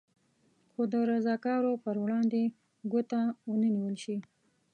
خو د رضاکارو پر وړاندې ګوته ونه نېول شي.